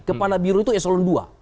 kepala biru itu eselon dua